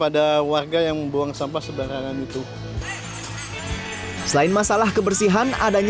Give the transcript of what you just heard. dan kita juga memaksa para samarit untuk membangun sampahnya di heel taman